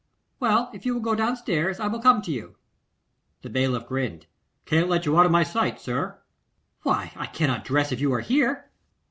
'Well, if you will go down stairs, I will come to you.' The bailiff grinned. 'Can't let you out of my sight, sir.' 'Why, I cannot dress if you are here.